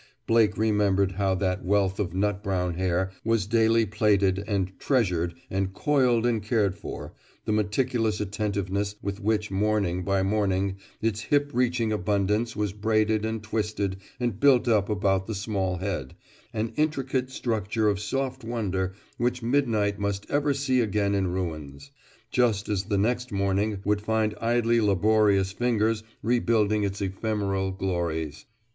Blake remembered how that wealth of nut brown hair was daily plaited and treasured and coiled and cared for, the meticulous attentiveness with which morning by morning its hip reaching abundance was braided and twisted and built up about the small head, an intricate structure of soft wonder which midnight must ever see again in ruins, just as the next morning would find idly laborious fingers rebuilding its ephemeral glories.